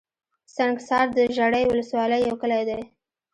سنګحصار دژړۍ ولسوالۍ يٶ کلى دئ